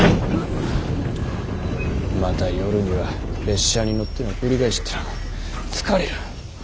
また夜には列車に乗っての繰り返しとは疲れる。